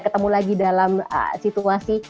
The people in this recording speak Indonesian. ketemu lagi dalam situasi